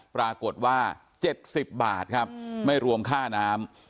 ปรากฏว่าเจ็ดสิบบาทครับอืมไม่รวมค่าน้ำ